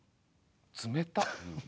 冷たっ。